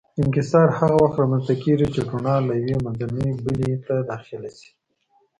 انکسار هغه وخت رامنځته کېږي چې رڼا له یوې منځنۍ بلې ته داخله شي.